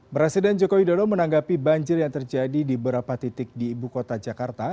presiden joko widodo menanggapi banjir yang terjadi di beberapa titik di ibu kota jakarta